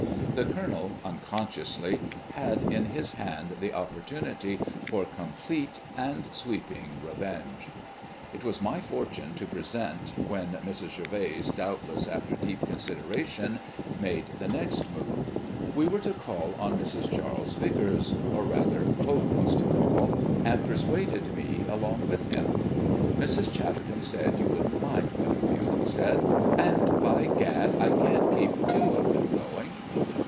The Colonel, unconsciously, had in his hand the opportunity for complete and sweeping revenge. It was my fortune to be present when Mrs. Gervase, doubtless after deep consideration, made the next move. We were to call on Mrs. Charlie Vicars or rather, Coke was to call, and persuaded me along with him. "Mrs. Chatterton said you wouldn't mind, Butterfield," he said; "and, by Gad, I can't keep two of them going."